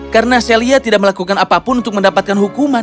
karena celia tidak melakukan apapun untuk mendapatkan hukuman